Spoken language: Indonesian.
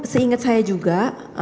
seingat saya juga